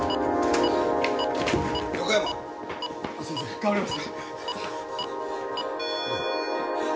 代わります